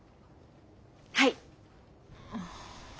はい。